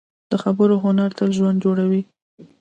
د خبرو هنر تل ژوند جوړوي